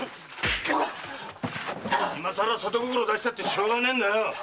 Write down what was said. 〔今さら里心を出したってしょうがねえんだよ！〕